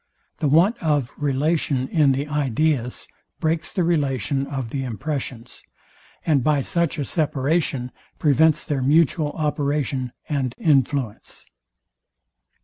The want of relation in the ideas breaks the relation of the impressions, and by such a separation prevents their mutual operation and influence.